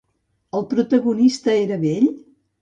El protagonista era vell?